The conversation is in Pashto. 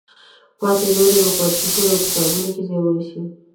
پاتې نورې به په ارشیفونو او کتابونو کې ځای ونیسي.